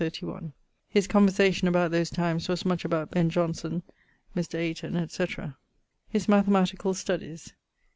His conversation about those times was much about Ben: Jonson, Mr. Ayton, etc. <_His mathematical studies.